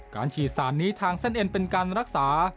ฉีดสารนี้ทางเส้นเอ็นเป็นการรักษา